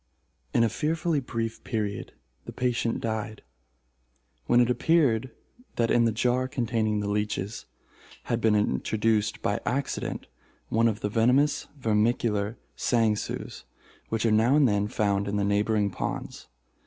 In a fearfully brief period the patient died, when it appeared that in the jar containing the leeches, had been introduced, by accident, one of the venomous vermicular sangsues which are now and then found in the neighboring ponds.